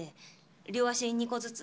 両足に２個ずつ。